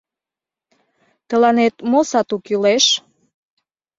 — Тыланет мо сату кӱлеш?